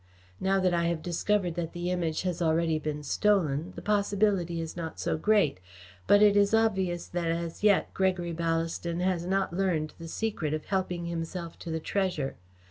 Now that I have discovered that the Image has already been stolen the possibility is not so great, but it is obvious that as yet Gregory Ballaston has not learned the secret of helping himself to the treasure.